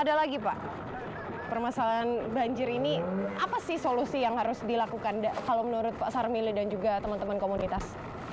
ada lagi pak permasalahan banjir ini apa sih solusi yang harus dilakukan kalau menurut pak sarmili dan juga teman teman komunitas